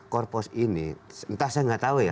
korpos ini entah saya nggak tahu ya